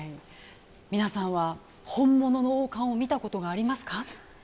皆さんは本物の王冠を見たことがありますか？